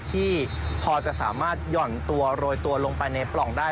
ที่พอจะสามารถหย่อนตัวโรยตัวลงไปในปล่องได้